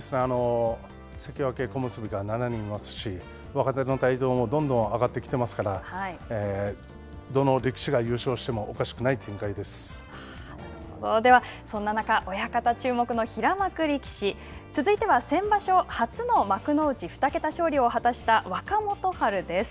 関脇、小結が７人いますし若手の台頭も、どんどん上がってきてますから、どの力士が優勝してもでは、そんな中、親方注目の平幕力士。続いては先場所、初の幕内２桁勝利を果たした若元春です。